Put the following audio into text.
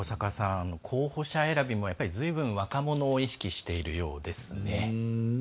候補者選びも、ずいぶん若者を意識しているようですね。